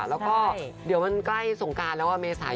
แล้วก็เดี๋ยวมันใกล้สงการแล้วเมษา